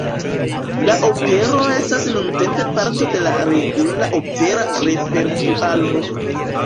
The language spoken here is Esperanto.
La opero estas nuntempe parto de la regula opera repertuaro.